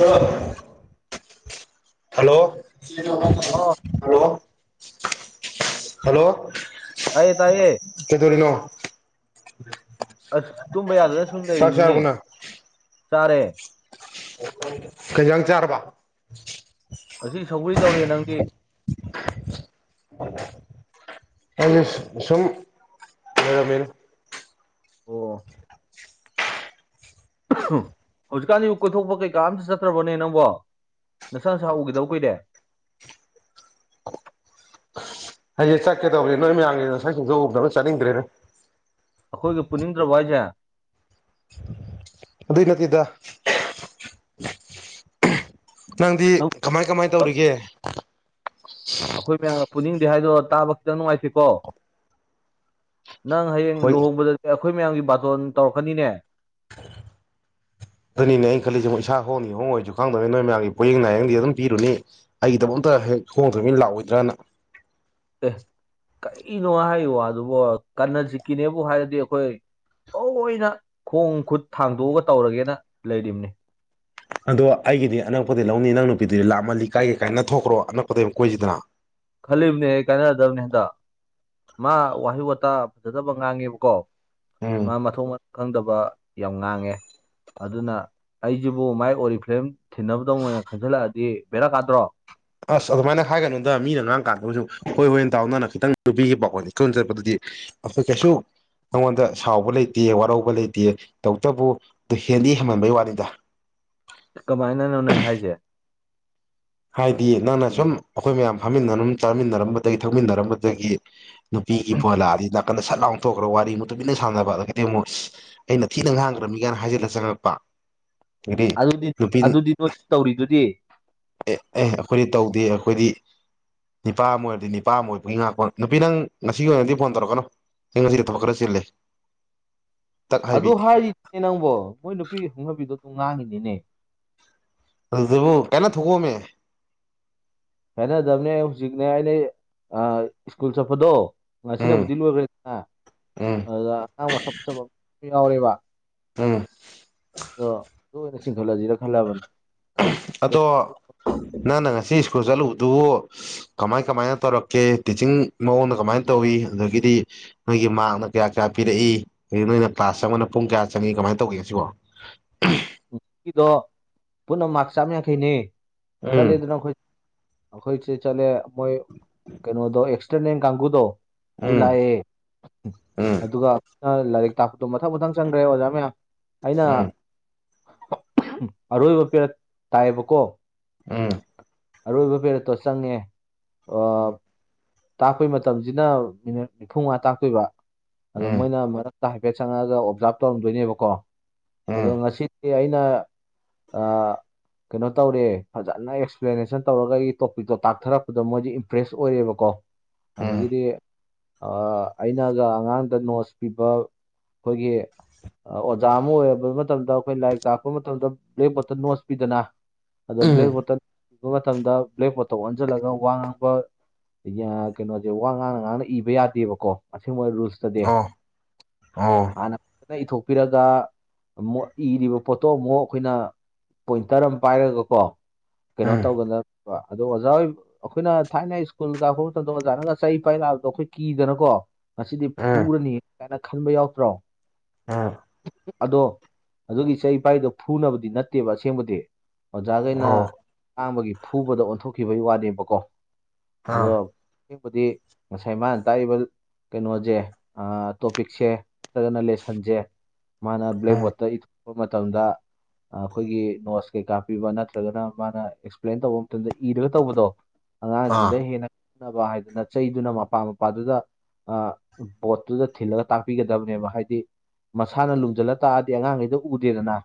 ꯍꯂ ꯍꯜꯂꯣ ꯑꯣ hello hello ꯇꯥꯏꯌꯦ ꯇꯥꯏꯌꯦ ꯀꯩꯗꯣꯔꯤꯅꯣ ꯑꯁ ꯇꯨꯝꯕ ꯌꯥꯗꯅ ꯁꯨꯝ ꯆꯥꯛ ꯂꯩꯔꯤꯅꯤꯅꯦ ꯆꯥꯔꯦ ꯈꯖ ꯆꯔꯄꯥ ꯑꯁꯤ ꯁꯒꯔꯤ ꯇꯧꯔꯤꯦ ꯅꯪꯒꯤ [inaudible] ꯑ ꯁꯨꯝ ꯃ ꯑꯣ ꯍꯧꯖꯤꯛꯀꯥꯟꯗꯤꯕꯨ ꯀꯣꯏꯊꯣꯛꯄ ꯀꯩꯀꯥꯝꯇ ꯆꯠꯇ꯭ꯔꯕꯅꯦ ꯅꯪꯕꯣ ꯅꯁꯥ ꯅꯁꯥ ꯎꯈꯤꯗꯧ ꯀꯨꯗꯦ ꯍꯌꯦꯡ ꯆꯠꯀꯦꯗꯧꯕꯅꯦ ꯅꯣꯏ ꯃꯌꯥꯝꯒꯤ ꯉꯁꯥꯏ ꯁꯨꯡꯖꯧ ꯎꯗꯅ ꯆꯠꯅꯤꯡꯗ꯭ꯔꯦꯅꯦ ꯑꯩꯈꯣꯏꯒꯤ ꯄꯨꯅꯤꯡꯗ꯭ꯔꯕ ꯍꯥꯏꯁꯦ ꯑꯗꯨꯗ ꯏ ꯅꯠꯇꯗ ꯅꯪꯗꯤ ꯑꯩꯈꯣꯏ ꯀꯃꯥꯏ ꯀꯃꯥꯏ ꯇꯧꯔꯤꯒꯦ ꯑꯩꯈꯣꯏ ꯃꯌꯥꯝꯅ ꯄꯨꯅꯤꯡꯗꯦ ꯍꯥꯏꯗꯣ ꯇꯥꯕ ꯈꯤꯇꯪ ꯅꯨꯡꯉꯥꯏꯁꯤꯀꯣ ꯅꯪ ꯍꯌꯦꯡ ꯍꯣꯏ ꯂꯨꯍꯣꯡꯕꯗꯗꯤ ꯑꯩꯈꯣꯏ ꯃꯌꯥꯝꯒꯤ ꯕꯥꯇꯣꯟ ꯇꯧꯔꯛꯀꯅꯤꯅꯦ [unintelligible] ꯑꯗꯨꯅꯤꯅꯦ ꯑꯩꯩꯅ ꯈꯜꯂꯤꯁꯦ ꯃ ꯏꯁꯥ ꯍꯣꯡꯅꯤ ꯍꯣꯡꯉꯣꯏꯁꯨ ꯈꯪꯗꯕꯦ ꯅꯣꯏ ꯃꯌꯥꯝꯒꯤ ꯄꯣꯌꯦꯦꯡ ꯅꯥꯏꯌꯦꯡꯗꯤ ꯑꯗꯨꯝ ꯄꯤꯔꯨꯅꯤ ꯑꯩꯒꯤꯗꯃꯛꯇ ꯍꯦꯛ ꯍꯣꯡꯗ꯭ꯔꯃꯤ ꯂꯥꯛꯑꯣꯢꯗ꯭ꯔꯅ ꯑꯦ ꯀꯔꯤꯅꯣ ꯍꯥꯢ ꯋꯥꯗꯨꯕꯣ ꯀꯥꯔꯅꯥꯖꯤꯠꯀꯤꯅꯦꯕꯨ ꯍꯥꯢꯔꯗꯤ ꯑꯩꯈꯣꯢ ꯑꯣꯢꯅ ꯈꯣꯡ ꯈꯨꯠ ꯊꯥꯡꯗꯣꯛꯒ ꯇꯧꯔꯒꯦꯅ ꯂꯩꯔꯤꯝꯅꯤ ꯑꯗꯣ ꯑꯩꯒꯤꯗꯤ ꯑꯅꯛꯄꯗꯩ ꯂꯧꯅꯤ ꯅꯪ ꯅꯨꯄꯤꯗꯨꯗꯤ ꯂꯥꯞꯃꯜꯂꯤ ꯀꯥꯢꯒꯦ ꯀꯥꯢꯅ ꯊꯣꯛꯈ꯭ꯔꯣ ꯑꯅꯛꯄꯗꯒꯤ ꯑꯝ ꯀꯣꯢꯁꯤꯗꯅ꯫ ꯈꯜꯂꯤꯝꯅꯤ ꯀꯥꯢꯅꯗꯧꯅꯦ ꯍꯟꯗꯛ ꯃꯥ ꯋꯥꯍꯩ ꯋꯥꯇꯥ ꯐꯖꯗꯕ ꯉꯥꯡꯉꯦꯕꯀꯣ ꯎꯝ ꯃꯥ ꯃꯊꯣꯡ ꯃꯔꯝ ꯈꯪꯗꯕ ꯌꯥꯝ ꯉꯥꯡꯉꯦ꯫ ꯑꯗꯨꯅ ꯑꯩꯖꯤꯕꯨ ꯃꯥꯢ ꯑꯣꯔꯤꯐ꯭ꯂꯦꯝ ꯊꯤꯅꯕꯗꯧ ꯑꯣꯢꯅ ꯈꯟꯖꯜꯂꯛꯑꯗꯤ ꯕꯦꯔꯥ ꯀꯥꯗ꯭ꯔꯣ꯫ ꯑꯥꯁ ꯑꯗꯨꯃꯥꯢꯅ ꯍꯥꯢꯒꯅꯣꯗ ꯃꯤꯅ ꯉꯥꯡꯀꯥꯟꯗꯕꯨꯁꯨ ꯍꯣꯢ ꯍꯣꯢꯅ ꯇꯥꯎ ꯅꯪꯅ ꯈꯤꯇꯪ ꯅꯨꯄꯤꯒꯤ ꯄꯈꯣꯟ ꯂꯤꯃꯣꯟ ꯆꯠꯄꯗꯨꯗꯤ ꯑꯈꯣꯢ ꯀꯩꯁꯨ ꯑꯩꯉꯣꯟꯗ ꯁꯥꯎꯕ ꯂꯩꯇꯦ ꯋꯥꯔꯧꯕ ꯂꯩꯇꯦ ꯇꯧꯕꯇꯕꯨ ꯑꯗꯨ ꯍꯦꯟꯗꯤ ꯍꯦꯟꯃꯟꯕꯩ ꯋꯥꯅꯤꯗ꯫ ꯀꯃꯥꯢꯅꯅꯣꯅꯦ ꯍꯥꯢꯖꯦ ꯍꯥꯏꯗꯤ ꯅꯪꯅ ꯁꯨꯝ ꯑꯩꯈꯣꯏ ꯃꯌꯥꯝ ꯐꯝꯃꯤꯟꯅ ꯑꯗꯨꯝ ꯆꯥꯃꯤꯟꯅꯔꯝꯕꯗꯒꯤ ꯊꯧꯃꯤꯟꯅꯔꯝꯕꯗꯒꯤ ꯅꯨꯄꯤꯒꯤ ꯕꯣꯂꯥꯗꯤ ꯅꯥꯀꯟꯗ ꯁꯠ ꯂꯥꯎꯅꯊꯣꯛꯈ꯭ꯔꯒ ꯋꯥꯔꯤ ꯑꯃꯨꯛ ꯇꯨꯃꯤꯟꯅ ꯁꯥꯟꯅꯕ ꯑꯗꯒꯤꯗꯤ ꯑꯃꯨꯛ ꯑꯩꯅ ꯊꯤꯅ ꯉꯥꯡꯈ꯭ꯔꯕꯅꯤ ꯀꯥꯏꯅ ꯍꯥꯏꯖꯤꯜꯂꯒ ꯆꯪꯉꯛꯄ ꯑꯗꯒꯤꯗꯤ ꯑꯗꯨꯗꯤ ꯅꯨꯄꯤ ꯑꯗꯨꯗꯤ ꯅꯣꯏ ꯇꯧꯔꯤꯗꯨꯗꯤ ꯑꯦ ꯑꯦ ꯑꯩꯈꯣꯏꯗꯤ ꯇꯧꯗꯦ ꯑꯩꯈꯣꯏꯗꯤ ꯅꯤꯄꯥ ꯑꯃ ꯑꯣꯏꯔꯗꯤ ꯅꯤꯄꯥ ꯑꯃ ꯑꯣꯏꯕꯒꯤ ꯉꯥꯛꯄ ꯅꯨꯄꯤ ꯅꯪ ꯉꯁꯤꯒꯤ ꯑꯣꯏꯅꯗꯤ ꯐꯣꯟ ꯇꯧꯔꯛꯀꯅꯣ ꯆ ꯄꯈ꯭ꯔꯁꯤ ꯂꯩꯦ ꯑꯗꯨ ꯍꯥꯏꯔꯤꯅꯦ ꯅꯪꯕꯣ ꯃꯣꯏ ꯅꯨꯄꯤꯒꯤ ꯍꯨꯍꯕꯤꯗꯣ ꯑꯗꯨꯝ ꯉꯥꯡꯉꯤꯅꯤꯅꯦ ꯖꯕꯨꯣ ꯀꯅꯥ ꯊꯀꯣꯃꯦ ꯈꯦꯅꯗꯕꯅꯦ ꯍꯧꯖꯤꯛꯅꯦ ꯑꯩꯅ ꯁ꯭ꯀꯨꯜ ꯆꯠꯄꯗꯣ ꯎꯝ ꯁꯤꯅꯕꯨꯗꯤ ꯂꯣꯏꯈ꯭ꯔꯦꯗꯅ ꯎꯝ ꯑꯗꯨꯗ ꯑꯉꯥꯡ ꯃꯁꯛ ꯐꯠꯖꯄ ꯌꯥꯎꯔꯦꯕ ꯎꯝ ꯗꯣ ꯗꯨ ꯑꯣꯢꯅ ꯆꯤꯡꯈꯠꯂꯖꯤꯔ ꯈꯜꯂꯕꯅꯤ ꯑꯗꯣ ꯅꯪꯅ ꯉꯁꯤ ꯁ꯭ꯀꯨꯜ ꯆꯠꯂꯨꯕꯗꯨꯕꯨ ꯀꯃꯥꯢ ꯀꯃꯥꯢꯅ ꯇꯧꯔꯛꯀꯦ ꯇꯤꯆꯤꯡ ꯃꯑꯣꯡꯅ ꯀꯃꯥꯏꯅ ꯇꯧꯋꯤ ꯑꯗꯒꯤꯗꯤ ꯅꯣꯢꯒꯤ ꯃꯥꯔꯛꯅ ꯀꯌꯥ ꯀꯌꯥ ꯄꯤꯔꯛꯏ ꯑꯗꯒꯤ ꯅꯣꯢꯅ ꯀ꯭ꯂꯥꯁ ꯆꯪꯕꯅ ꯄꯨꯡ ꯀꯌꯥ ꯆꯪꯏ ꯀꯃꯥꯢꯅ ꯇꯧꯒꯦ ꯁꯤꯕꯣ꯫ ꯎꯝꯍꯝ ꯀꯤꯗꯣ ꯄꯨꯟꯅ ꯃꯥꯛ ꯆꯥꯝꯌꯥꯡꯈꯩꯅꯦ ꯎꯝ ꯆꯠꯂꯦꯗꯅ ꯑꯩꯈꯣꯢꯁꯦ ꯆꯠꯂꯦ ꯃꯣꯢ ꯀꯩꯅꯣꯗꯣ ꯑꯦꯛꯁꯇꯔꯅꯦꯟ ꯀꯥꯡꯒꯨꯗꯣ ꯑꯗꯨ ꯎꯝ ꯂꯥꯛꯑꯦ꯫ ꯎꯝ ꯑꯗꯨꯒ ꯑ ꯂꯥꯢꯔꯤꯛ ꯇꯥꯛꯄꯗꯣ ꯃꯊꯪ ꯃꯊꯪ ꯆꯪꯈ꯭ꯔꯦ ꯑꯣꯖꯥ ꯃꯌꯥꯝ꯫ ꯑꯩꯅ ꯎꯝ ꯑꯔꯣꯢꯕ ꯄꯦꯔꯠ ꯇꯥꯢꯌꯦꯕꯀꯣ꯫ ꯎꯝ ꯑꯔꯣꯢꯕ ꯄꯦꯔꯠꯇꯣ ꯆꯪꯉꯦ ꯑ ꯎꯝ ꯇꯥꯛꯄꯩ ꯃꯇꯝꯖꯤꯅ ꯃꯤꯅꯠ ꯅꯤꯐꯨꯃꯉꯥ ꯇꯥꯛꯇꯣꯢꯕ ꯑꯗꯣ ꯃꯣꯢꯅ ꯃꯔꯛ ꯇ ꯍꯥꯢꯐꯦꯠ ꯆꯪꯉꯛꯑꯒ ꯑꯣꯞꯖꯥꯔꯞ ꯇꯧꯔꯝꯗꯣꯢꯅꯦꯕꯀꯣ ꯑꯗꯣ ꯎꯝ ꯉꯁꯤꯗꯤ ꯑꯩꯅ ꯑ ꯀꯩꯅꯣ ꯇꯧꯔꯦ ꯐꯖꯟꯅ ꯑꯦꯛꯁꯄ꯭ꯂꯦꯅꯦꯁꯟ ꯇꯧꯔꯒ ꯑꯩꯒꯤ ꯇꯣꯄꯤꯛꯇꯣ ꯇꯥꯛꯊꯔꯛꯄꯗ ꯃꯣꯢꯗꯤ ꯏꯝꯄ꯭ꯔꯦꯁ ꯑꯣꯢꯔꯦꯕꯀꯣ꯫ ꯎꯝ ꯑꯗꯒꯤꯗꯤ ꯑ ꯑꯩꯅꯒ ꯑꯉꯥꯡꯗ ꯅꯣꯠꯁ ꯄꯤꯕ ꯑꯈꯣꯢꯒꯤ ꯑ ꯑꯣꯖꯥ ꯑꯃ ꯑꯣꯢꯔꯕ ꯃꯇꯝꯗ ꯑꯩꯈꯣꯢ ꯂꯥꯢꯔꯤꯛ ꯇꯥꯛꯄ ꯃꯇꯝꯗ ꯕ꯭ꯂꯦꯛ ꯕꯣꯔꯠꯇ ꯅꯣꯠꯁ ꯄꯤꯗꯅ ꯑꯗꯣ ꯎꯝ ꯕ꯭ꯂꯦꯛꯕꯣꯔꯠꯇ ꯃꯇꯝꯗ ꯕ꯭ꯂꯦꯛꯕꯣꯔꯠꯇ ꯑꯣꯟꯖꯥꯜꯂꯒ ꯋꯥ ꯉꯥꯡꯕ ꯗꯩ ꯑ ꯀꯩꯅꯣꯖꯦ ꯋꯥ ꯉꯥꯡꯅ ꯉꯥꯡꯅ ꯏꯕ ꯌꯥꯗꯦꯕꯀꯣ ꯑꯁꯦꯡꯕ ꯔꯨꯜꯁꯇꯗꯤ ꯑꯣ ꯑꯣ ꯍꯥꯟꯅ ꯐꯖꯅ ꯏꯊꯣꯛꯄꯤꯔꯒ ꯑꯃꯨꯛ ꯏꯔꯤꯕ ꯄꯣꯠꯇꯣ ꯑꯃꯨꯛ ꯑꯩꯈꯣꯢꯅ ꯄꯣꯢꯟꯇꯔ ꯑꯃ ꯄꯥꯢꯔꯒꯀꯣ ꯀꯩꯅꯣ ꯎꯝ ꯇꯧꯒꯗꯕ ꯑꯗꯣ ꯑꯣꯖꯥ ꯑꯣꯢ ꯑꯩꯈꯣꯢꯅ ꯊꯥꯢꯅ ꯁ꯭ꯀꯨꯜ ꯀꯔꯛꯄ ꯃꯇꯝꯗ ꯑꯣꯖꯥꯅꯔꯒ ꯆꯩ ꯄꯥꯢ ꯂꯥꯛꯕꯗꯣ ꯑꯩꯈꯣꯢ ꯀꯤꯗꯅꯀꯣ ꯉꯁꯤꯗꯤ ꯎꯝ ꯐꯨꯔꯅꯤ ꯀꯥꯢꯅ ꯈꯟꯕ ꯌꯥꯎꯗ꯭ꯔꯣ ꯎꯝ ꯑꯗꯣ ꯑꯗꯨꯒꯤ ꯆꯩ ꯄꯥꯢꯗꯣ ꯐꯨꯅꯕꯗꯤ ꯅꯠꯇꯦꯕ ꯑꯁꯦꯡꯕꯗꯤ ꯑꯣꯖꯥꯒꯩꯅ ꯑꯣ ꯂꯥꯡꯕꯒꯤ ꯐꯨꯕꯗ ꯑꯣꯟꯊꯣꯛꯈꯤꯕꯒꯤ ꯋꯥꯅꯦꯕꯀꯣ ꯑꯗꯣ ꯑꯥ ꯑꯁꯦꯡꯕꯗꯤ ꯉꯁꯥꯢ ꯃꯥꯅ ꯇꯥꯛꯏꯕ ꯀꯩꯅꯣꯖꯦ ꯑ ꯇꯣꯄꯤꯛꯁꯦ ꯅꯠꯇ꯭ꯔꯒꯅ ꯂꯦꯁꯟꯖꯦ ꯃꯥꯅ ꯎꯝ ꯕ꯭ꯂꯦꯛꯕꯣꯔꯗꯠꯇ ꯏꯊꯣꯛꯄ ꯃꯇꯝꯗ ꯑꯩꯈꯣꯏꯒꯤ ꯅꯣꯠꯁ ꯀꯩꯀꯥ ꯄꯤꯕ ꯅꯠꯇ꯭ꯔꯒꯅ ꯃꯥꯅ ꯑꯦꯛꯁꯄ꯭ꯂꯦꯟ ꯇꯧꯕ ꯃꯇꯝꯗ ꯏꯔꯒ ꯇꯧꯕꯗꯣ ꯑꯉꯥꯡꯁꯤꯡꯗ ꯑꯥ ꯍꯦꯟꯅ ꯈꯅꯕ ꯍꯥꯏꯗꯅ ꯆꯩꯗꯨꯅ ꯃꯄꯥ ꯃꯄꯥꯗꯨꯗ ꯕꯣꯠꯇꯨꯗ ꯊꯤꯜꯂꯒ ꯇꯥꯛꯄꯤꯒꯗꯕꯅꯦꯕ ꯍꯥꯏꯗꯤ ꯃꯁꯥꯅ ꯂꯨꯝꯁꯤꯜꯂ ꯇꯥꯛꯑꯗꯤ ꯑꯉꯥꯡꯈꯩꯗ ꯎꯗꯦꯗꯅ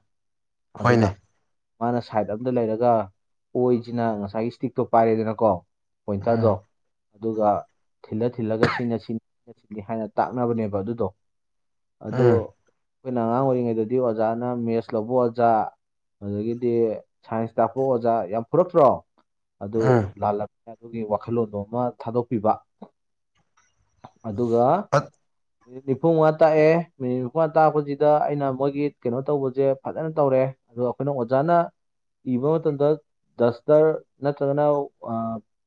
ꯑꯗꯨꯅ ꯍꯣꯏꯅꯦ ꯃꯥꯅ ꯁꯥꯏꯠ ꯑꯝꯗ ꯂꯩꯔꯒ ꯑꯣꯏꯁꯤꯅ ꯉꯁꯥꯏꯒꯤ ꯏꯁꯇꯤꯛꯇꯣ ꯄꯥꯏꯔꯦꯗꯅꯀꯣ ꯎꯝ ꯄꯣꯏꯟꯇꯔꯗꯣ ꯑꯗꯨꯒ ꯊꯤꯜꯂ ꯊꯤꯜꯂꯒ ꯁꯤꯅ ꯁꯤꯅꯤ ꯁꯤ ꯍꯥꯏꯅ ꯇꯥꯛꯅꯕꯅꯦꯕ ꯑꯗꯨꯗꯣ ꯑꯗꯣ ꯎꯝ ꯑꯩꯈꯣꯏꯅ ꯑꯉꯥꯡ ꯑꯣꯏꯔꯤꯉꯩꯗꯗꯤ ꯑꯣꯖꯥꯅ ꯃꯦꯠꯁ ꯂꯧꯕ ꯑꯣꯖꯥ ꯑꯗꯒꯤꯗꯤ ꯁꯥꯏꯟꯁ ꯇꯥꯛꯄ ꯑꯣꯖꯥ ꯌꯥꯝ ꯐꯨꯔꯛꯇ꯭ꯔꯣ ꯑꯗꯨ ꯎꯝ ꯂꯥꯜꯂꯛꯦ ꯑꯗꯨꯒꯤ ꯋꯥꯈꯜꯂꯣꯟꯗꯣ ꯑꯃ ꯊꯥꯗꯣꯛꯄꯤꯕ ꯑꯗꯨꯒ ꯑꯠ ꯃꯤꯅꯤꯠ ꯅꯤꯐꯨꯃꯉꯥ ꯇꯥꯛꯑꯦ ꯃꯤꯅꯤꯠ ꯅꯤꯐꯨꯃꯉꯥ ꯇꯥꯛꯄꯖꯤꯗ ꯑꯩꯅ ꯃꯣꯢꯒꯤ ꯀꯩꯅꯣ ꯇꯧꯕꯁꯦ ꯐꯖꯅ ꯇꯧꯔꯦ꯫ ꯑꯩꯈꯣꯢꯅ ꯑꯣꯖꯥꯅ ꯏꯕ ꯃꯇꯝꯗ ꯗꯁꯇꯔ ꯅꯠꯇ꯭ꯔꯒꯅ ꯑ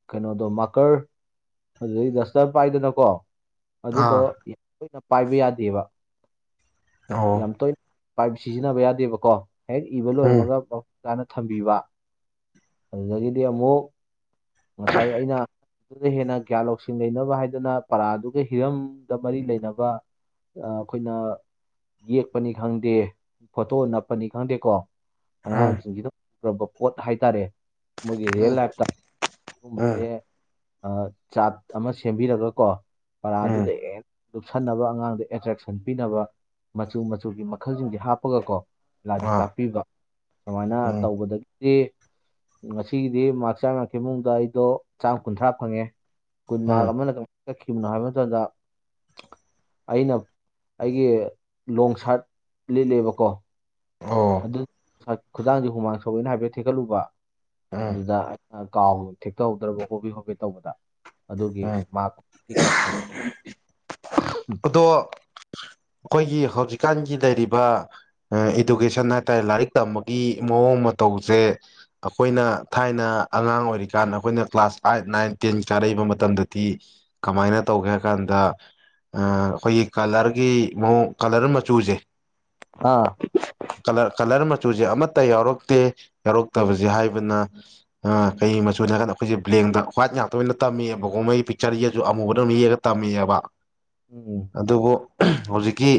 ꯀꯩꯅꯣꯗꯣ ꯃꯥꯀꯔ ꯑꯗꯨꯗꯩ ꯗꯁꯇꯔ ꯄꯥꯢꯗꯅꯀꯣ ꯑꯗꯨꯗꯣ ꯑꯥ ꯇꯣꯢꯅ ꯄꯥꯢꯕ ꯌꯥꯗꯦꯕ ꯑꯣ ꯌꯥꯝ ꯇꯣꯢꯅ ꯄꯥꯢꯕ ꯁꯤꯖꯤꯟꯅꯕ ꯌꯥꯗꯦꯕꯀꯣ ꯍꯦꯛ ꯏꯕ ꯎꯝ ꯂꯣꯢꯕꯒ ꯃꯐꯝ ꯆꯥꯅ ꯊꯝꯕꯤꯕ ꯑꯗꯒꯤꯗꯤ ꯑꯃꯨꯛ ꯉꯁꯥꯢ ꯑꯩꯅ ꯑꯗꯨꯗꯩ ꯍꯦꯟꯅ ꯒ꯭ꯌꯥꯟ ꯂꯧꯁꯤꯡ ꯂꯩꯅꯕ ꯍꯥꯢꯗꯅ ꯄꯔꯥꯗꯨꯒ ꯍꯤꯔꯝꯗ ꯃꯔꯤ ꯂꯩꯅꯕ ꯑ ꯑꯩꯈꯣꯏꯅ ꯌꯦꯛꯄꯅꯤ ꯈꯪꯗꯦ ꯐꯣꯇꯣ ꯅꯞꯄꯅꯤ ꯈꯪꯗꯦꯀꯣ ꯎꯝ ꯑꯉꯥꯡꯁꯤꯡꯁꯤꯅ ꯄꯨꯔꯛꯄ ꯄꯣꯠ ꯍꯥꯢꯇꯥꯔꯦ ꯃꯣꯢꯒꯤ ꯔꯦꯜ ꯎꯝ ꯂꯥꯢꯐꯇ ꯁꯨꯝꯕꯖꯦ ꯎꯝ ꯑ ꯆꯥꯠ ꯑꯃ ꯁꯦꯝꯕꯤꯔꯒ ꯀꯣ ꯎꯝ ꯄꯔꯥꯗꯨꯗ ꯍꯦ ꯂꯨꯞꯁꯟꯅꯕ ꯑꯉꯥꯡꯗ ꯑꯦꯇ꯭ꯔꯦꯛꯁꯟ ꯄꯤꯅꯕ ꯃꯆꯨ ꯃꯆꯨꯒꯤ ꯃꯈꯜꯁꯤꯡꯁꯤ ꯍꯥꯞꯄꯒꯀꯣ ꯂꯥꯏꯔꯤꯛ ꯑꯥ ꯇꯥꯛꯄꯤꯕ ꯁꯨꯃꯥꯏꯅ ꯎꯝ ꯇꯧꯕꯗꯒꯤ [unintelligible] ꯉꯁꯤꯒꯤꯗꯤ ꯃꯥꯛ ꯆꯥꯝꯃ ꯌꯥꯡꯈꯩ ꯃꯅꯨꯡꯗ ꯑꯩꯗꯣ ꯆꯥꯝ ꯀꯨꯟꯊ꯭ꯔꯥ ꯐꯪꯉꯦ ꯀꯨꯟ ꯃꯥꯔꯛ ꯎꯝ ꯑꯃꯅ ꯀꯃꯥꯏꯅ ꯀꯛꯈꯤꯕꯅꯣ ꯍꯥꯏꯕ ꯃꯇꯝꯗ ꯑꯩꯅ ꯑꯩꯒꯤ ꯂꯣꯡ ꯁꯥꯔꯠ ꯂꯤꯠꯂꯦꯕꯀꯣ ꯑꯣ [inaudible] ꯈꯨꯗꯥꯡꯁꯦ ꯍꯨꯃꯥꯡ ꯁꯧꯋꯦꯅ ꯍꯥꯏꯐꯦꯠ ꯊꯤꯀꯠꯂꯨꯕ ꯎꯝ ꯑꯗꯨꯗ ꯀꯥꯎ ꯊꯦꯛꯇꯍꯧꯗ꯭ꯔꯕ ꯍꯣꯕꯦ ꯍꯣꯕꯦ ꯇꯧꯕꯗ ꯑꯗꯨꯒꯤ ꯎꯝ ꯃꯥꯛ [inaudible] ꯀꯛꯈ꯭ꯔꯦ ꯑꯗꯣ ꯑꯩꯈꯣꯏꯒꯤ ꯍꯧꯖꯤꯛꯀꯥꯟꯒꯤ ꯂꯩꯔꯤꯕ ꯏꯗꯨꯀꯦꯁꯟ ꯍꯥꯏꯇꯥꯔꯦ ꯂꯥꯏꯔꯤꯛ ꯇꯝꯕꯒꯤ ꯃꯑꯣꯡ ꯃꯇꯧꯁꯦ ꯑꯩꯈꯣꯏꯅ ꯊꯥꯏꯅ ꯑꯉꯥꯡ ꯑꯣꯏꯔꯤꯀꯥꯟ ꯑꯩꯈꯣꯏꯅ ꯀ꯭ꯂꯥꯁ ꯑꯥꯏꯠ ꯅꯥꯏꯟ ꯇꯦꯟ ꯆꯥꯔꯛꯏꯕ ꯃꯇꯝꯗꯗꯤ ꯀꯃꯥꯏꯅ ꯇꯧꯒꯦ ꯍꯥꯏ ꯀꯥꯟꯗ ꯑ ꯑꯩꯈꯣꯏꯒꯤ ꯀꯂꯔꯒꯤ ꯃꯑꯣꯡ ꯀꯂꯔ ꯃꯆꯨꯁꯦ ꯑꯥ ꯀꯂ ꯀꯂꯔ ꯃꯆꯨꯁꯦ ꯑꯃꯠꯇ ꯌꯥꯎꯔꯛꯇꯦ ꯌꯥꯎꯔꯛꯇꯕꯁꯦ ꯍꯥꯏꯕꯅ ꯀꯩ ꯃꯆꯨꯅ ꯍꯥꯏꯀꯥꯟꯗ ꯑꯩꯈꯣꯏꯁꯦ ꯕ꯭ꯂꯦꯡꯗ ꯍ꯭ꯋꯥꯏꯠ ꯉꯥꯛꯇ ꯑꯣꯏꯅ ꯇꯝꯃꯦꯕꯀꯣ ꯃꯣꯏꯒꯤ ꯄꯤꯛꯆꯔ ꯌꯦꯛꯑꯁꯨ ꯑꯃꯨꯕꯗ ꯌꯦꯛꯑꯒ ꯇꯝꯃꯦꯕ ꯎꯝ ꯑꯗꯨꯕꯨ ꯍꯧꯖꯤꯛꯀꯤ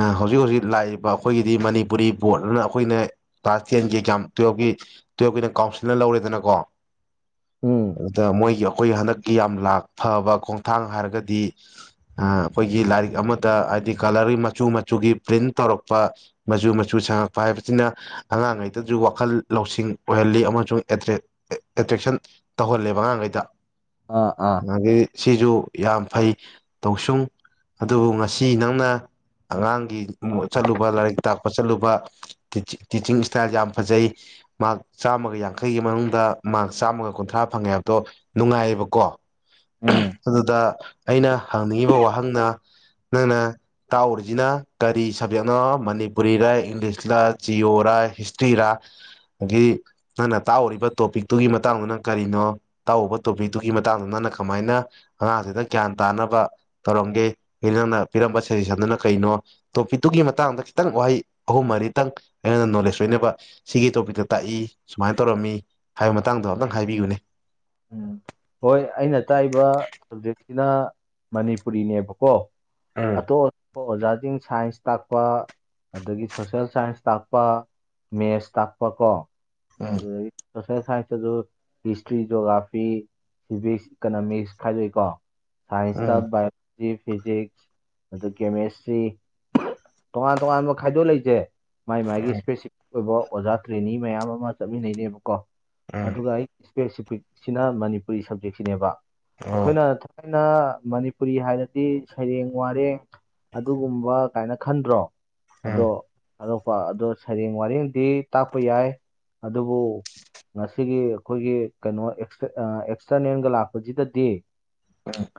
ꯑ ꯍꯧꯖꯤꯛ ꯍꯧꯖꯤꯛ ꯂꯥꯛꯏꯕ ꯑꯩꯈꯣꯏꯒꯤꯗꯤ ꯃꯅꯤꯄꯨꯔꯤ ꯕꯣꯠꯅ ꯑꯩꯈꯣꯏꯅ ꯀ꯭ꯂꯥꯁ ꯇꯦꯟꯒꯤ ꯑꯦꯛꯖꯥꯝ ꯇꯨꯋꯜꯀꯤ ꯇꯨꯋꯜꯐꯀꯤꯅ ꯀꯥꯎꯟꯁꯤꯜꯅ ꯂꯧꯔꯦꯗꯅꯀꯣ ꯎꯝ ꯑꯗꯨꯗ ꯃꯣꯏꯒꯤ ꯑꯩꯈꯣꯏ ꯍꯟꯗꯛꯀꯤ ꯌꯥꯝ ꯂꯥꯛ ꯐꯕ ꯈꯣꯡꯊꯥꯡ ꯍꯥꯏꯔꯒꯗꯤ ꯑꯩꯈꯣꯏꯒꯤ ꯂꯥꯏꯔꯤꯛ ꯑꯃꯗ ꯍꯥꯏꯗꯤ ꯀꯂꯔ ꯃꯆꯨ ꯃꯆꯨꯒꯤ ꯄ꯭ꯔꯤꯟꯇ ꯇꯧꯔꯛꯄ ꯃꯆꯨ ꯃꯆꯨ ꯁꯪꯉꯛꯄ ꯍꯥꯏꯕꯁꯤꯅ ꯑꯉꯥꯡꯉꯩꯗꯁꯨ ꯋꯥꯈꯜ ꯂꯧꯁꯤꯡ ꯑꯣꯏꯍꯜꯂꯤ ꯑꯃꯁꯨꯡ ꯑꯦꯇ꯭ꯔꯦꯛꯁꯟ ꯇꯧꯍꯜꯂꯦꯕ ꯑꯉꯥꯡꯈꯩꯗ ꯑ ꯑꯥ ꯑꯗꯒꯤ ꯁꯤꯁꯨ ꯌꯥꯝ ꯐꯩ ꯇꯧꯁꯨꯡ ꯑꯗꯨꯕꯨ ꯉꯁꯤ ꯅꯪꯅ ꯑꯉꯥꯡꯒꯤ ꯆꯠꯂꯨꯕ ꯂꯥꯏꯔꯤꯛ ꯇꯥꯛꯄ ꯆꯠꯂꯨꯕ ꯇꯤꯆꯤ ꯇꯤꯆꯤꯡ ꯏꯁꯇꯥꯏꯜ ꯌꯥꯝ ꯐꯖꯩ ꯃꯥꯔꯛ ꯆꯥꯝꯃꯒ ꯌꯥꯡꯈꯩꯒꯤ ꯃꯅꯨꯡꯗ ꯃꯥꯛ ꯆꯥꯝꯃꯒ ꯀꯨꯟꯊ꯭ꯔꯥ ꯐꯪꯉꯦ ꯍꯥꯏꯕꯗꯣ ꯅꯨꯡꯉꯥꯏꯌꯦꯕꯀꯣ ꯎꯝ ꯑꯗꯨꯗ ꯑꯩꯅ ꯍꯪꯅꯤꯡꯉꯤꯕ ꯋꯥꯍꯪꯅ ꯅꯪꯅ ꯇꯥꯛꯎꯔꯤꯁꯤꯅ ꯀꯔꯤ ꯁꯕꯖꯦꯛꯅꯣ ꯃꯅꯤꯄꯨꯔꯤꯔ ꯏꯪꯂꯤꯁꯔ ꯆꯤꯌꯣꯔꯥ ꯍꯤꯁꯇ꯭ꯔꯤꯔꯥ ꯑꯗꯒꯤ ꯅꯪꯅ ꯇꯥꯛꯎꯔꯤꯕ ꯇꯣꯄꯤꯛꯇꯨꯒꯤ ꯃꯇꯥꯡꯗꯨꯅ ꯀꯔꯤꯅꯣ ꯇꯥꯛꯎꯕ ꯇꯣꯄꯤꯛꯇꯨꯒꯤ ꯃꯇꯥꯡꯗ ꯅꯪꯅ ꯀꯃꯥꯏꯅ ꯑꯉꯥꯡꯁꯤꯗ ꯒ꯭ꯌꯥꯟ ꯇꯥꯅ ꯕ ꯇꯧꯔꯝꯒꯦ ꯑꯦ ꯅꯪꯅ ꯄꯤꯔꯝꯕ ꯁꯖꯦꯁꯟꯗꯨꯅ ꯀꯩꯅꯣ ꯇꯣꯄꯤꯛꯇꯨꯒꯤ ꯃꯇꯥꯡꯗ ꯈꯤꯇꯪ ꯋꯥꯍꯩ ꯑꯍꯨꯝ ꯃꯔꯤꯇꯪ ꯑꯩꯉꯣꯟꯗ ꯅꯣꯂꯦꯖ ꯑꯣꯏꯅꯕ ꯁꯤꯒꯤ ꯇꯣꯄꯤꯛꯇ ꯇꯥꯛꯏ ꯁꯨꯃꯥꯏꯅ ꯇꯧꯔꯝꯃꯤ ꯍꯥꯏꯕ ꯃꯇꯥꯡꯗꯣ ꯑꯝꯇꯪ ꯍꯥꯏꯕꯤꯌꯨꯅꯦ ꯎꯝ ꯍꯣꯏ ꯑꯩꯅ ꯇꯥꯛꯏꯕ ꯁꯕꯖꯦꯛꯁꯤꯅ ꯃꯅꯤꯄꯨꯔꯤꯅꯦꯕꯀꯣ ꯎꯝ ꯑꯇꯣꯞ ꯑꯇꯣꯞꯄ ꯑꯣꯖꯥꯁꯤꯡ ꯁꯥꯏꯟꯁ ꯇꯥꯛꯄ ꯑꯗꯒꯤ ꯁꯣꯁꯦꯜ ꯁꯥꯏꯟꯁ ꯇꯥꯛꯄ ꯃꯦꯠꯁ ꯇꯥꯛꯄ ꯀꯣ ꯎꯝ ꯑꯗꯨꯗ ꯁꯣꯁꯦ ꯁꯥꯏꯟꯁꯇꯁꯨ ꯍꯤꯁꯇ꯭ꯔꯤ ꯖꯤꯑꯣꯒ꯭ꯔꯥꯐꯤ ꯁꯤꯚꯤꯛꯁ ꯏꯀꯅꯣꯃꯤꯛꯁ ꯈꯥꯏꯗꯣꯛꯏꯀꯣ ꯁꯥꯏꯟꯁꯇ ꯎꯝ ꯕꯥꯏꯑꯣ ꯐꯤꯖꯤꯛꯁ ꯑꯗ ꯀꯦꯃꯦꯁꯇ꯭ꯔꯤ ꯇꯣꯉꯥꯟ ꯇꯣꯉꯥꯟꯕ ꯈꯥꯏꯗꯣꯛ ꯂꯩꯁꯦ ꯃꯥꯏ ꯃꯥꯥꯏꯒꯤ ꯏꯁꯄꯦꯁꯤꯐꯤꯛ ꯑꯣꯏꯕ ꯑꯣꯖꯥ ꯇ꯭ꯔꯦꯅꯤ ꯃꯌꯥꯝ ꯑꯃ ꯆꯠꯃꯤꯟꯅꯩꯅꯦꯕꯀꯣ ꯎꯝ ꯎꯝ ꯑꯗꯨꯒ ꯑꯩ ꯏꯁꯄꯦꯁꯤꯐꯤꯛꯁꯤꯅ ꯃꯅꯤꯄꯨꯔꯤ ꯁꯕꯖꯦꯛꯁꯤꯅꯦꯕ ꯑꯣ ꯑꯩꯈꯣꯏꯅ ꯊꯥꯏ ꯅ ꯃꯅꯤꯄꯨꯔꯤ ꯍꯥꯏꯔꯗꯤ ꯁꯩꯔꯦꯡ ꯋꯥꯔꯦꯡ ꯑꯗꯨꯒꯨꯝꯕ ꯀꯥꯏꯅ ꯈꯟꯗ꯭ꯔꯣ ꯑꯗꯣ ꯎꯝ ꯑꯇꯣꯞꯄ ꯑꯗꯣ ꯁꯩꯔꯦꯡ ꯋꯥꯔꯦꯡꯗꯤ ꯇꯥꯛꯄ ꯌꯥꯏ ꯑꯗꯨꯕꯨ ꯉꯁꯤꯒꯤ ꯑꯩꯈꯣꯏꯒꯤ ꯀꯩꯅꯣ ꯑꯦꯛꯁꯇꯔꯅꯜꯒ ꯂꯥꯛꯄꯁꯤꯗꯗꯤ ꯍ [unintelligible]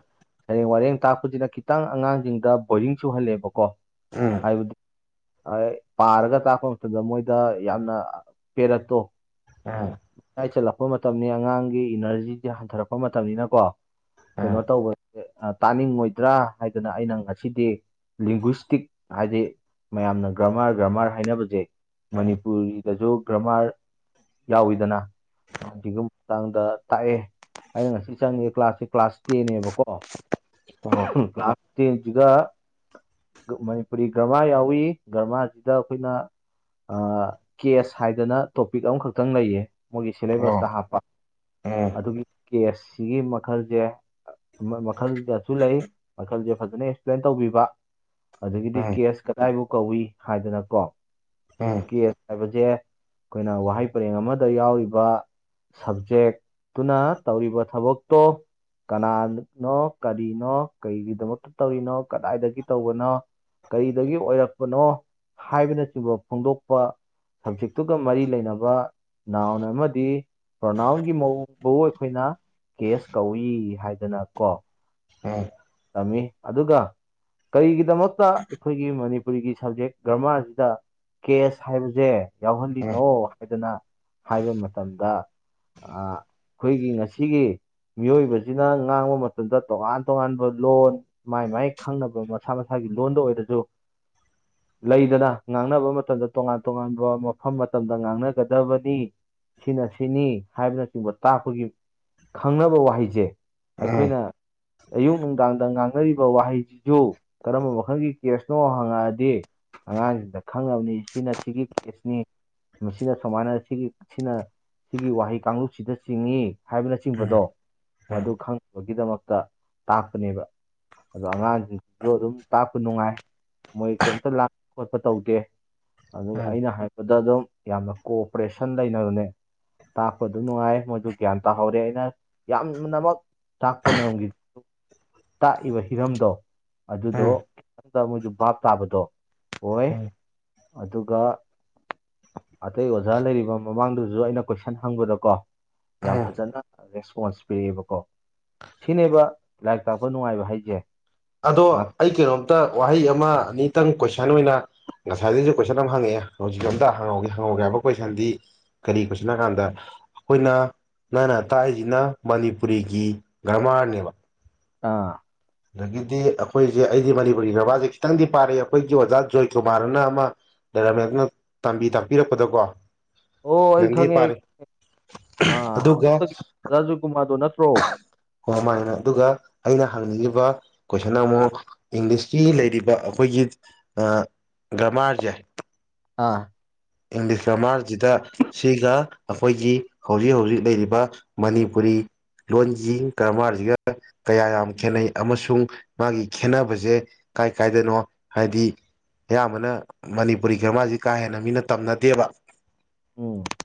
ꯁꯩꯔꯦꯡ ꯋꯥꯔꯦꯡ ꯇꯥꯛꯄꯁꯤꯅ ꯈꯤꯇꯪ ꯑꯉꯥꯡꯁꯤꯡꯗ ꯕꯣꯔꯤꯡ ꯆꯨꯍꯜꯂꯦꯕꯀꯣ ꯎꯝ ꯍꯥꯏꯕꯗꯤ ꯄꯥꯔꯒ ꯇꯥꯛꯄ ꯃꯇꯝꯗ ꯃꯣꯏꯗ ꯌꯥꯝꯅ ꯄꯦꯔꯠꯇꯣ ꯎꯝ ꯥꯃꯌꯥꯏ ꯆꯜꯂꯛꯄ ꯃꯇꯝꯅꯤ ꯑꯉꯥꯡꯒꯤ ꯏꯅꯔꯖꯤꯁꯤ ꯍꯟꯊꯔꯛꯄ ꯃꯇꯝꯅꯤꯅ ꯀꯣ ꯎꯝ ꯀꯩꯅꯣ ꯇꯧꯕ ꯇꯥꯅꯤꯡꯉꯣꯏꯗ꯭ꯔꯥ ꯍꯥꯏꯗꯅ ꯑꯩꯅ ꯉꯁꯤꯗꯤ ꯂꯦꯡꯒꯋꯁꯇꯤꯛ ꯍꯥꯏꯗꯤ ꯃꯌꯥꯝꯅ ꯒ꯭ꯔꯃꯥꯔ ꯒ꯭ꯔꯃꯥꯔ ꯍꯥꯏꯅꯕꯁꯦ ꯎꯝ ꯃꯅꯤꯄꯨꯔꯤꯒꯤꯗꯁꯨ ꯒ꯭ꯔꯃꯥꯔ ꯌꯥꯎꯋꯤꯗꯅ ꯃꯇꯥꯥꯡꯗ ꯇꯥꯛꯑ‌ꯦ ꯑꯩꯅ ꯉꯁꯤ ꯆꯪꯉꯦ ꯀ꯭ꯂꯥꯁꯁꯦ ꯀ꯭ꯂꯥꯁ ꯇꯦꯟꯅ‌ꯦꯕꯀꯣ ꯑꯣ ꯀ꯭ꯂꯥꯁ ꯇꯦꯟꯁꯤꯒ ꯃꯅꯤꯄꯨꯔꯤ ꯒ꯭ꯔꯃꯥ ꯌꯥꯎꯏ ꯒ꯭ꯔꯃꯥꯁꯤꯗ ꯑꯩꯈꯣꯏꯅ ꯑꯥ ꯀꯦꯁ ꯍꯥꯏꯗꯅ ꯇꯣꯄꯤꯛ ꯑꯃꯈꯛꯇꯪ ꯂꯩꯌꯦ ꯃꯣꯏꯒꯤ ꯑꯣ ꯁꯤꯂꯦꯕꯁꯇ ꯍꯥꯞꯄ ꯎꯝ ꯑꯗꯨꯒꯤ ꯀꯦꯁ ꯁꯤꯒꯤ ꯃꯈꯜꯁꯦ ꯃꯈꯜ ꯀꯌꯥꯁꯨ ꯂꯩ ꯃꯈꯜꯁꯦ ꯐꯖꯅ ꯑꯦꯛꯁꯄ꯭ꯂꯦꯟ ꯇꯧꯕꯤꯕ ꯑꯗꯒꯤꯗꯤ ꯎꯝ ꯀꯦꯁ ꯀꯗꯥꯏꯕꯨ ꯀꯧꯏ ꯍꯥꯏꯗꯅꯀꯣ ꯎꯝ ꯀꯦꯁ ꯍꯥꯏꯕꯁꯦ ꯑꯩꯈꯣꯏꯅ ꯋꯥꯍꯩ ꯄꯔꯦꯡ ꯑꯃꯗ ꯌꯥꯎꯔꯤꯕ ꯁꯕꯖꯦꯛꯇꯨꯅ ꯇꯧꯔꯤꯕ ꯊꯕꯛꯇꯣ ꯀꯅꯥꯅꯣ ꯀꯔꯤꯅꯣ ꯀꯔꯤꯒꯤꯗꯃꯛꯇ ꯇꯧꯔꯤꯅꯣ ꯀꯗꯥꯏꯗꯒꯤ ꯇꯧꯕꯅꯣ ꯀꯔꯤꯗꯒꯤ ꯑꯣꯏꯔꯛꯄꯅꯣ ꯍꯥꯏꯕꯅꯆꯤꯡꯕ ꯐꯣꯡꯗꯣꯛꯄ ꯁꯕꯖꯦꯛꯇꯨꯒ ꯃꯔꯤ ꯂꯩꯅꯕ ꯅꯥꯎꯟ ꯑꯃꯗꯤ ꯄ꯭ꯔꯣꯅꯥꯎꯟꯒꯤ ꯃꯑꯣꯡꯕꯨ ꯑꯩꯈꯣꯏꯅ ꯀꯦꯁ ꯀꯧꯏ ꯍꯥꯏꯗꯅ ꯀꯣ ꯎꯝ ꯇꯝꯃꯤ ꯑꯗꯨꯒ ꯀꯔꯤꯒꯤꯗꯃꯛꯇ ꯑꯩꯈꯣꯏꯒꯤ ꯃꯅꯤꯄꯨ ꯃꯅꯤꯄꯨꯔꯤꯒꯤ ꯁꯕꯖꯦꯛ ꯒ꯭ꯔꯃꯥꯔꯁꯤꯗ ꯀꯦꯁ ꯍꯥꯏꯕꯁꯦ ꯎꯝ ꯌꯥꯎꯍꯜꯂꯤꯅꯣ ꯍꯥꯏꯗꯅ ꯍꯥꯏꯕ ꯃꯇꯝꯗ ꯑꯩꯈꯣꯏꯒꯤ ꯉꯁꯤꯒꯤ ꯃꯤꯑꯣꯏꯕꯁꯤꯅ ꯉꯥꯡꯕ ꯃꯇꯝꯗ ꯇꯣꯉꯥꯟ ꯇꯣꯉꯥꯟꯕ ꯂꯣꯟ ꯃꯥꯏ ꯃꯥꯏ ꯈꯪꯅꯕ ꯃꯁꯥ ꯃꯁꯥꯒꯤ ꯂꯣꯟꯗ ꯑꯣꯏꯔꯁꯨ [inaudible] ꯂꯩꯗꯅ ꯉꯥꯡꯅꯕ ꯃꯇꯝꯗ ꯇꯣꯉꯥꯟ ꯇꯣꯉꯥꯟꯕ ꯃꯐꯝ ꯃꯇꯝꯗ ꯉꯥꯡꯅꯒꯗꯕꯅꯤ ꯁꯤꯅ ꯁꯤꯅꯤ ꯍꯥꯏꯕꯅꯆꯤꯡꯕ ꯇꯥꯛꯄꯒꯤ ꯈꯪꯅꯕ ꯋꯥꯍꯩꯁꯦ ꯑꯩꯈꯣꯏꯅ ꯑꯌꯨꯛ ꯅꯨꯡꯗꯥꯡꯗ ꯉꯥꯡꯅꯔꯤꯕ ꯋꯥꯍꯩꯁꯤꯁꯨ ꯀꯔꯝꯕ ꯃꯈꯜꯒꯤ ꯀꯦꯁꯅꯣ ꯍꯪꯉꯛꯑꯗꯤ ꯑꯉꯥꯡꯁꯤꯡꯗ ꯈꯪꯅꯕꯅꯤ ꯁꯤꯅ ꯁꯤꯒꯤ ꯀꯦꯁꯅꯤ ꯃꯁꯤꯅ ꯁꯨꯃꯥꯏꯅ ꯁꯤꯒꯤ ꯁꯤꯅ ꯁꯤꯒꯤ ꯋꯥꯍꯩ ꯀꯥꯡꯂꯨꯞꯁꯤꯗ ꯆꯤꯡꯉꯤ ꯎꯝ ꯍꯥꯏꯕꯅꯆꯤꯡꯕꯗꯣ ꯎꯝ ꯃꯗꯨ ꯈꯪꯅꯕꯒꯤꯗꯃꯛꯇ ꯇꯥꯛꯄꯅꯦꯕ ꯑꯗꯣ ꯑꯉꯥꯡꯁꯤꯡꯁꯤꯁꯨ ꯑꯗꯨꯝ ꯇꯥꯛꯄ ꯅꯨꯡꯉꯥꯏ ꯃꯣꯏ ꯀꯩꯝꯇ ꯂꯥꯡ ꯈꯣꯠꯄ ꯇꯧꯗꯦ ꯑꯗꯨꯒ ꯎꯝ ꯑꯩꯅ ꯍꯥꯏꯕꯗ ꯑꯗꯨꯝ ꯌꯥꯝꯅ ꯀꯣꯑꯣꯄꯔꯦꯁꯟ ꯂꯩꯅꯕꯅꯦ ꯇꯥꯛꯄ ꯑꯗꯨꯝ ꯅꯨꯡꯉꯥꯏ ꯃꯣꯏꯗꯨ ꯒ꯭ꯌꯥꯟ ꯇꯥꯍꯧꯔꯦ ꯑꯩꯅ ꯌꯥꯝꯅꯃꯛ ꯇꯥꯛꯄ ꯉꯝꯈꯤ ꯇꯥꯛꯏꯕ ꯍꯤꯔꯝꯗꯣ ꯑꯗꯨꯗꯣ ꯎꯝ [unintelligible] ꯃꯣꯏꯗꯨ ꯚꯥꯞ ꯇꯥꯕꯗꯣ ꯑꯣꯏ ꯎꯝ ꯑꯗꯨꯒ ꯑꯇꯩ ꯑꯣꯖꯥ ꯂꯩꯔꯤꯕ ꯃꯃꯥꯡꯗꯨꯁꯨ ꯑꯩꯅ ꯀꯣꯏꯁꯟ ꯍꯪꯕꯗ ꯀꯣ ꯌꯥꯝ ꯎꯝ ꯐꯖꯅ ꯔꯦꯁꯄꯣꯟꯁ ꯄꯤꯔꯛꯑꯦꯕꯀꯣ ꯁꯤꯅꯦꯕ ꯂꯥꯏꯔꯤꯛ ꯇꯥꯛꯄ ꯅꯨꯡꯉꯥꯏꯕ ꯍꯥꯏꯁꯦ ꯑꯗꯣ ꯉꯥꯛ ꯑꯩ ꯀꯩꯅꯣꯝꯇ ꯋꯥꯍꯩ ꯑꯃ ꯑꯅꯤꯇꯪ ꯀꯣꯏꯁꯟ ꯑꯣꯏꯅ ꯉꯁꯥꯏꯗꯩꯁꯨ ꯀꯣꯏꯁꯟ ꯑꯝ ꯍꯪꯉꯛꯑꯦ ꯍꯧꯖꯤꯛ ꯑꯝꯇꯥ ꯍꯪꯍꯧꯒ‌ꯦ ꯍꯪꯍꯧꯒꯦ ꯍꯥꯏꯕ ꯀꯣꯏꯁꯟꯗꯤ ꯀꯔꯤ ꯀꫭꯏꯁꯟꯅꫭ ꯍꯥꯏ ꯀꯥꯟꯗ ꯑꯩꯈꯣꯏꯅ ꯅꯪꯅ ꯇꯥꯛꯏꯁꯤꯅ ꯃꯅꯤꯄꯨꯔꯤꯒꯤ ꯒ꯭ꯔꯃꯥꯔꯅꯦꯕ ꯑꯥ ꯑꯗꯒꯤꯗꯤ ꯑꯩꯈꯣꯏꯁꯦ ꯑꯩꯗꯤ ꯃꯅꯤꯄꯨꯔꯤ ꯕꯕꯥꯁꯦ ꯈꯤꯇꯪꯗꯤ ꯄꯥꯔꯛꯑꯦ ꯑꯩꯈꯣꯏꯒꯤ ꯑꯣꯖꯥ ꯖꯣꯏꯀꯨꯃꯥꯔꯅ ꯑꯃ ꯔꯥꯃꯦꯅ ꯇꯝꯕꯤ ꯇꯥꯛꯄꯤꯔꯛꯄꯗꯀꯣ ꯑꯣ ꯑꯩ ꯈꯤꯇꯪꯗꯤ ꯈꯪꯉꯦ ꯑꯩ ꯄꯥꯔꯦ ꯈꯉꯦ ꯑ ꯍꯣꯛꯇꯒꯤ ꯔꯥꯖꯣꯏꯀꯨꯃꯥꯔꯗꯣ ꯅꯠꯇ꯭ꯔꯣ ꯍ ꯃꯥꯥꯏꯅ ꯑꯗꯨꯒ ꯑꯩꯅ ꯍꯪꯅꯤꯡꯉꯤꯕ ꯀꯣꯏꯁꯟ ꯑꯃꯨꯛ ꯏꯪꯂꯤꯁꯀꯤ ꯂꯩꯔꯤꯕ ꯑꯩꯈꯣꯏꯒꯤ ꯒ꯭ꯔꯃꯥꯔꯁꯦ ꯑꯥ ꯏꯪꯂꯤꯁ ꯀ ꯃꯥꯔꯁꯤꯗ ꯁꯤꯒ ꯑꯩꯈꯣꯏꯒꯤ ꯍꯧꯖꯤꯛ ꯍꯧꯖꯤꯛ ꯂꯩꯔꯤꯕ ꯃꯅꯤꯄꯨꯔꯤ ꯂꯣꯟꯁꯤ ꯀꯔꯕꯥꯔꯁꯤꯒ ꯀꯌꯥ ꯌꯥꯝ ꯈꯦꯠꯅꯩ ꯑꯃꯁꯨꯡ ꯃꯥꯒꯤ ꯈꯦꯠꯅꯕꯁꯦ ꯀꯥꯏ ꯀꯥꯏꯗꯅꯣ ꯍꯥꯏꯗꯤ ꯑꯌꯥꯝꯕꯅ ꯃꯅꯤꯄꯨꯔꯤ ꯒ꯭ꯔꯃꯥꯔꯁꯤ ꯀꯥ ꯍꯦꯟꯅ ꯃꯤꯅ ꯇꯝꯅꯗꯦꯕ ꯎꯝ